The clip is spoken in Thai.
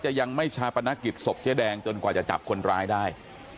ยังไม่ชาปนกิจศพเจ๊แดงจนกว่าจะจับคนร้ายได้